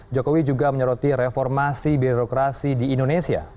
jokowi juga menyoroti reformasi birokrasi di indonesia